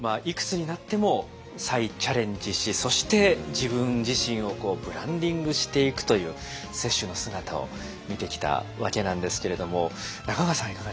いくつになっても再チャレンジしそして自分自身をブランディングしていくという雪舟の姿を見てきたわけなんですけれども中川さん